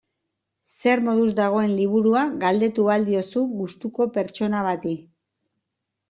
Zer moduz dagoen liburua galdetu ahal diozu gustuko pertsona bati.